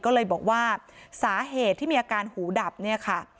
ก็เลยบอกว่าสาเหตุที่มีอาการหูดับเนี่ยค่ะ